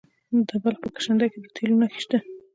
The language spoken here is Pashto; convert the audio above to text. د بلخ په کشنده کې د تیلو نښې شته.